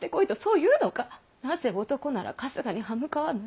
なぜ男なら春日に刃向かわぬ！